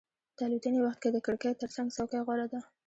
د الوتنې وخت کې د کړکۍ ترڅنګ څوکۍ غوره ده.